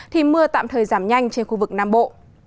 thì mưa tạm thời giảm nhanh trên khu vực nam bộ